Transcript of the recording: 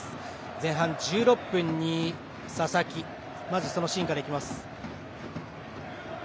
前半１６分に佐々木そのシーンからいきます。